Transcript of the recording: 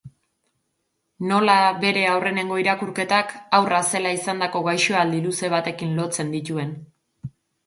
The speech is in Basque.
Nola bere aurrenengo irakurketak haurra zela izandako gaixoaldi luze batekin lotzen dituen.